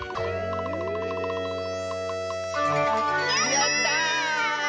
やった！